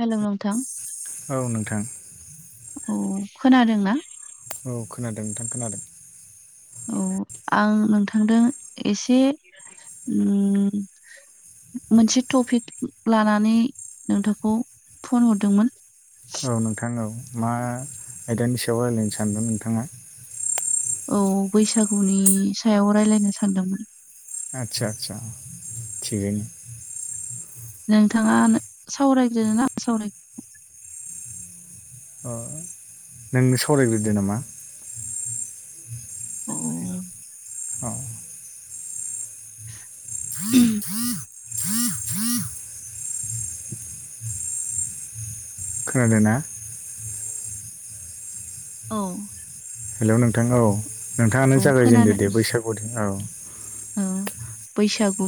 Hello नोंथां औ नोंथां औ खोनादों ना औ खोनादों नोंथां खोनादों औ आं नोंथांदों एसे ओमम मोनसे टपिक लानानै नोंथांखौ फन हरदोंमोन औ नोंथां औ मा आयदानि सायाव रायजलायनो सानदों नोंथाङा औ बैसागुनि सायाव राय्लायनो सानदोंमोन आथसा आथसा थिगैनो नोंथाङा सावरायग्रोनो ना सावराय ओ नोंनो सावरायग्रोदो नामा अओम औ ओहम खोनादोंना औ हेल' नोंथां औ नोंथाङानो औ जागायजेनदो खोनादों दे बैसागुनि औ औ बैसागु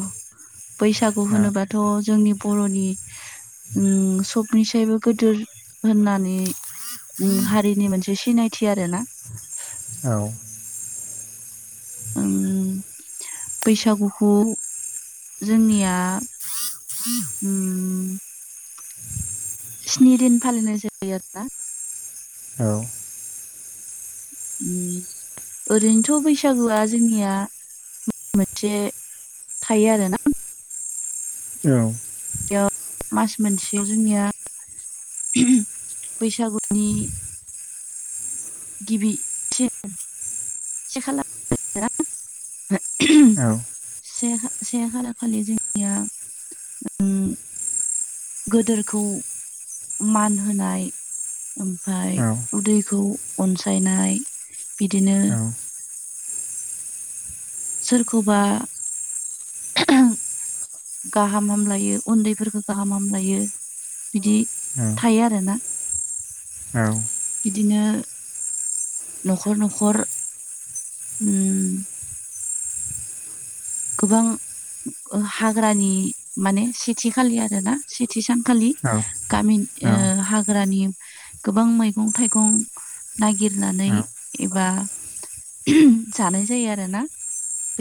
बैसागु औ होनोबाथ' जोंनि बर'नि ओम सबनिसायबो गोदोर होननानै उम हारिनि मोनसे सिनायथि आरो ना औ उम बैसागुखौ जोंनिया ओम स्नि दिन फालिनाय जायो आरोना औ ओम ओरैनोथ' बैसागुआ जोंनिया माबा मोनसे थायो आरो ना औ मास मोनसेयाव जोंनिया ओहम बैसागुनि [unintelligible] ओहम से से खालार खालि जोंनिया ओम गोदोरखौ मान होनाय ओमफ्राय औ उदैखौ अनसायनाय बिदिनो सोरखौबा गाहाम हामलायो उन्दैफोरखौ गाहाम हामलायो। बिदि थायो आरोना बिदिनो न'खर न'खर उम गोबां हाग्रानि माने सेथि खालि आरोना सेथि सानखालि गामि ओ हाग्रानि गोबां मैगं थाइगं नागिरनानै एबा जानाय जायो आरोना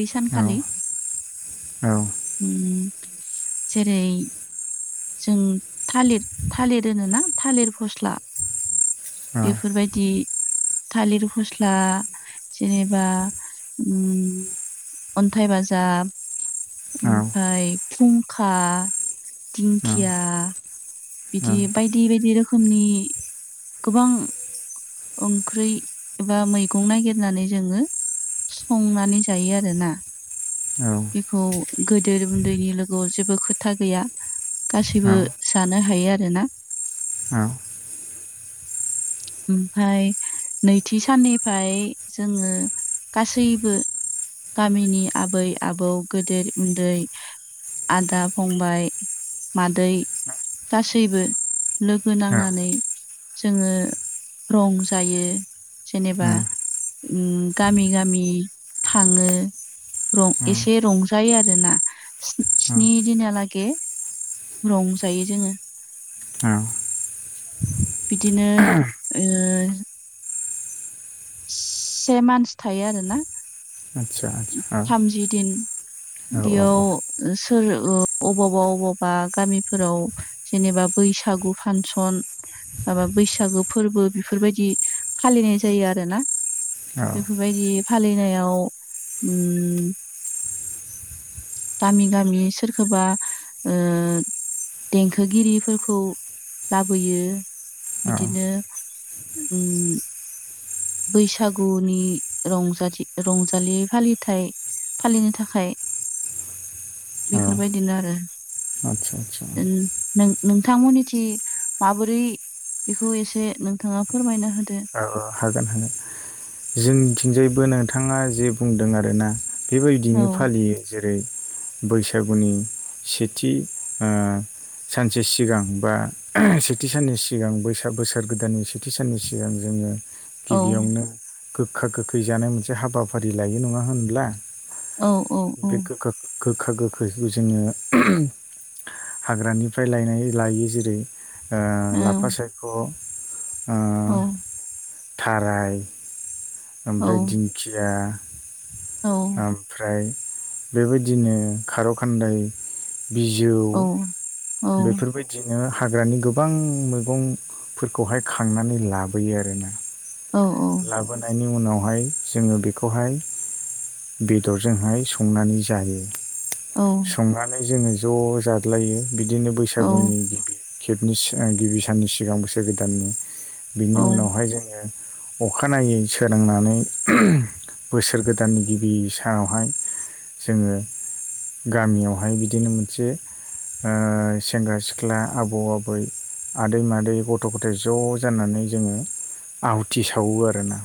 बै सानखालि उम जेरै जों थालिर थालिर होनोना थालिर फस्ला बेफोरबायदि थालिर फस्ला जेनेबा उम अन्थाइ बाजाब ओमफाय फुंखा दिंखिया बिदि बायदि बायदि रोखोमनि गोबां ओंख्रि एबा मैगं नागिरनानै जोङो संनानै जायो आरोना बेखौ गोदो उन्दैनि लोगोआव जेबो खोथा गैया गासैबो जानो हायो आरोना ओ ओमफ्राय नैथि साननिफ्राय जोङो गासैबो गामिनि आबै आबौ गेदेर उन्दै आदा फंबाय मादै गासैबो लोगो नांनानै जोङो रं जायो जेनेबा उम गामि गामि थाङो रं एसे रंजायो आरोना स्नि दिनाहालागै रंजायो जोङो बिदिनो ओ से मान्स थायो आरोना आदसा आदसा औ थामजि दिन औ बेयाव सोर ओ अबावबा अबावबा गामिफोराव जेनेबा बैसागु फांसन माबा बैसागु फोरबो बेफोरबायदि फालिनाय जायो आरोना औ बेफोरबायदि फालिनायाव उम गामि गामि सोरखौबा ओ देंखोगिरिफोरखौ लाबोयो आदसा बिदिनो उम बैसागुनि रंजा रंजालि फालिथाय फालिनो थाखाय बेफोरबायदिनो आरो आदसा औ उम नों नोंथांमोननिथि माबोरै बेखौ एसे नोंथाङा फोरमायना होदो औ हागोन हागोन जोंनिथिंजायबो नोंथाङा जे बुंदों आरोना बेबायदिनो औ फालियो जेरै जेरै बैसागुनि सेथि ओ सानसे सिगां बा सेथि साननि सिगां बैसाग बोसोर गोदाननि सेथि साननि सिगां जोङो गिबियावनो गोखा गोखै जानाय मोनसे हाबाफारि लायो नङा होनब्ला औ औ औ बे गोखा गोखैखौ जोङो हाग्रानिफ्राय लायनाय लायो जेरै ओ लाफा सायख' औ ओ थाराय औ ओमफ्राय दिंखिया औ ओमफ्राय बेबायदिनो खार' खान्दाय बिजौ औ बेफोरबायदिनो हाग्रानि गोबां मैगंफोरखौहाय खांनानै लाबोयो आरो ना। औ लाबोनायनि उनावहाय जोङो बेखौहाय बेदरजोंहाय संनानै जायो। संनानै जोङो ज' जाज्लायो बिदिनो बैसागुनि खेबनै सो आं गिबि साननि सिगां बोसोर गोदाननि औ बिनि उनावहाय जोङो अखानायै सोरांनानै ओहम बोसोर गोदाननि गिबि सानावहाय जोङो गामियावहाय बिदिनो मोनसे ओ सेंग्रा सिख्ला आबौ आबै थां आदै मादै गथ' गथाय ज' जानानै जोङो आहुथि सावो आरोना।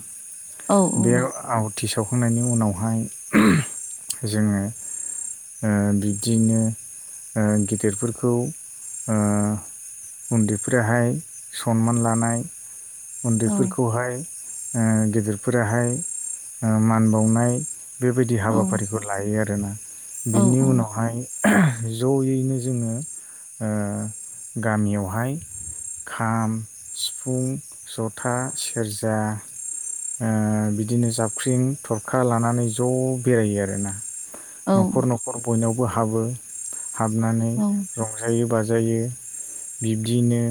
औ बे आवथि साव संखांनायनि उनावहाय जोङो ओ बिब्दिनो ओ गेदेरफोरखौ ओ उन्दैफोराहाय सनमान लानाय उन्दैफोरखौहाय ओ गेदेरफोराहाय मान बावनाय। बेबायदि हाबाफारिखौ लायो आरोना औ बिनि उनावहाय ओहो जयैनो जोङो ओ गामियावहाय खाम, सिफुं, जथा, सेरजा ओ बिदिनो जाबख्रिं थरखा लानानै ज' बेरायो आरोना। न'खर न'खर बयनावबो हाबो हाबनानै रंजायो बाजायो बिब्दियैनो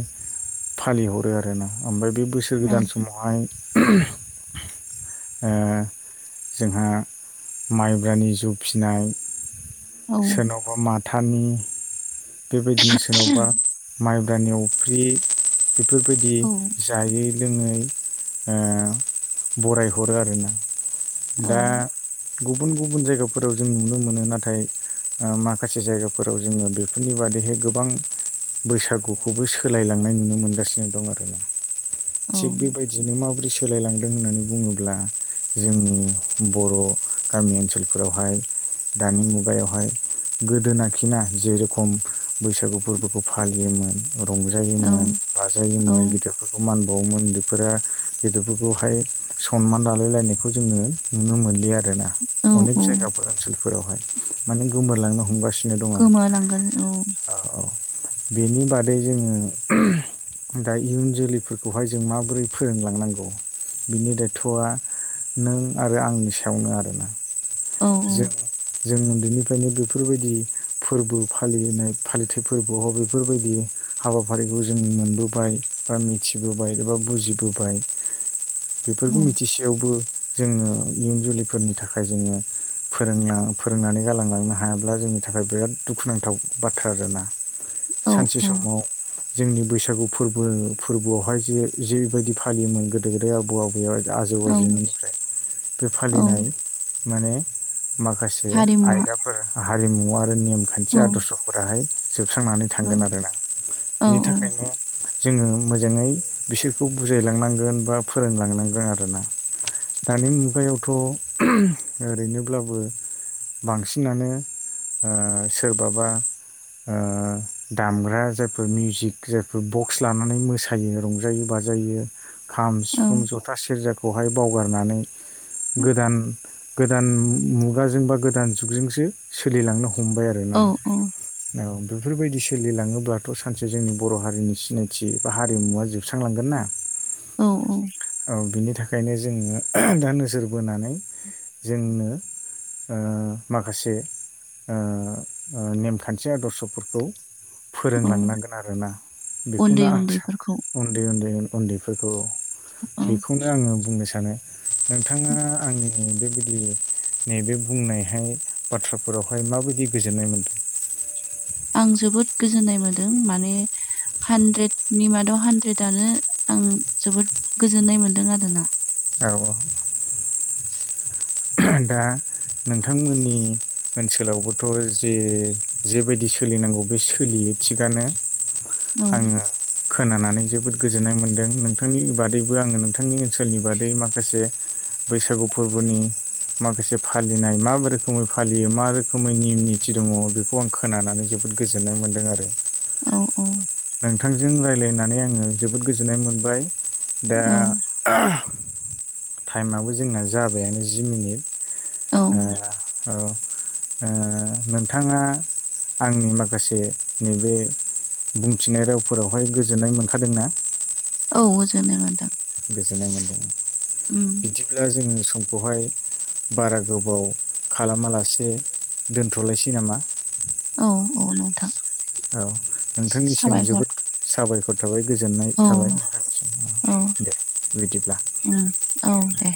फालिहरो आरोना ओमफ्राय बे बोसोर गोदान समावहाय ओम [inaudible] ओ जोंहा माइब्रानि जौ फिनाय सोरनावबा माथानि बेबायदिनो सोरनावबा माइब्रानि अफ्रि बेफोरबायदि औ जायै लोङै ओ बरायहरो आरोना दा औ बुं गुबुन गुबुन जायगाफोराव जों नुनो मोनो नाथाय ओ माखासे जायगाफोराव जोङो बे गु बेफोरनि बादैहाय गोबां बैसागुखौबो सोलायलांनाय नुनो मोनगासिनो दं आरोना। औ थिग बेबायदिनो माबोरै सोलायलांदों मानो होननानै बुङोब्ला जोंनि बर' गामि ओनसोलफोरावहाय दानि मुगायावहाय गोदोनाखिना जेरखम खम बैसागु फोरबोखौ फालियोमोन। औ रंजायोमोन औ बाजायोमोन गिदिरफोरखौ मान बावोमोन उन्दै फोर गेदेरफोरखौहाय सनमान लालाय लायनायखौ जोङो नुनो मोनलि आरोना। औ अनेक औ जायगाफोर ओनसोलफोरावहाय माने गोमोरलांनो हमगासि गोमालांगोन औ औ बेनि बादै जोङो ओहम दा इयुन जोलैफोरखौहाय जों माबोरै फोरोंलांनांगौ बिनि दायथ'आ नों आरो आंनि सायावनो आरोना औ जों जों उन्दैनि ओखायनो बेफोरबायदि फोरबो फालिनाय फालिथाय फोरबोआव बेफोरबायदि हाबाफारि जों मोनबोबाय आरो मिथिबोबाय एबा बुजिबोबाय। औ बेफोरखौ मिथिसेयावबो जोङो इयुन जोलैफोरनि थाखाय जोङो [inaudible] फोरों फोरोंनानै गालांलांनो हायाब्ला जोंनि थाखाय बिराद दुखुनांथाव बाथ्रा जाना औ सानसे औ समाव जोंनि बैसागु फोरबो फोरबोआवहाय जे जिबायदि फालिमोन गोदो गोदाय आबौ आबौ आजौ औ निफ्राय बे औ फालिनाय माने माखासे हारिमुवा आयदाफोर हारिमु आ रो नेम खान्थि औ आदर्शफोराहाय जोबस्रांनानै औ थांगोन आरो ना औ बिनि थाखायनो जोङो मोजाङै बिसोरखौ बुजायलांनांगोन बा फोरोंलांनांगोन आरोना दानि मुगायावथ ओरैनोब्लाबो बांसिनानो आ सोरबाबा ओ दामग्रा जायफोर मिउजिक जायफोर बक्स लानानै मोसायो रंजायो बा जायो खाम औ सिफुं जथा सेरजाखौहाय बावगारनानै गोदान गोदान मुगाजों बा गोदान जुगजोंसो सोलिलांनो ह हमबाय आरो ना औ बेफोरबायदि सोलिलाङोब्लाथ सानसे जोंनि बर हारिनि सिनायथि बा हारिमुवा जोबस्रांलांगोन ना औ औ ओंखायनो जोङो दा नोजोर बोनानै [inaudible] जोंनो ओ माखासे ओ नेमखान्थि आदर्शफोरखौ औ फोरोंलांनांगोन आरोना उन्दै बेखौनो आं सान उन्दैफोरखौ उन्दै उन्दै उन्दैफोर खौ औ बेखौनो आङो बुंनो सानो नोंथाङा आंनि बेबा दि नैबे बुंनायहाय बाथ्राफोरावहाय माबायदि गोजोननाय मोनदों? आं जोबोद गोजोननाय मोनदों माने हानद्रेदनि मादाव हानद्रेदनो आं जोबोद गोजोननाय मोन्दों आरोना औ औ [inaudible] दा नोंथांमोननि ओनसोलावबोथ जे जेबायदि सोलिनांगौ बे सोलियो बे थिगानो औ आङो खोनानानै जोबोद गोजोननाय मोनदों नोंथांनि बादैबो आङो नोंथांनि ओनसोलनि बादै माखासे बैसागु फोरबोनि माखासे फालिनाय मा रोखोमै फालियो मा रोखोमै निम निथि दङ बेखौ आं खोनानानै जोबोद गोजोननाय मोनदों आरो औ औ नोंथांजों रायज्लायनानै आङो जोबोद गोजोननाय मोनबाय दा औ टाइमाबो जोंना जाबायानो जि मिनिट औ आ औ ओ नोंथाङा आंनि माखासे नैबे बुंथिनाय रावफोरावहाय गोजोननाय मोनखादोंना? औ गोजोननाय मोनदों। गोजोननाय मोनदों उम बिदिब्ला जोंनि समखौहाय बारा गोबाव खालामालासे दोनथलायसै नामा औ औ नोंथां औ नोंथांनिसिम साबायखर जोबोद साबायखर थाबाय गोजोननाय औ थाबाय नोंथांनिसिम औ दे बिदिब्ला उम औ दे।